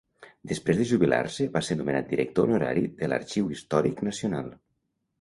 Després de jubilar-se va ser nomenar director honorari de l'Arxiu Històric Nacional.